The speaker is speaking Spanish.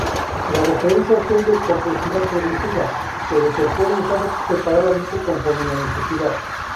Los referenciales son de complejidad progresiva, pero se pueden usar separadamente, conforme la necesidad.